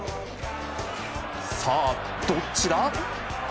さあ、どっちだ？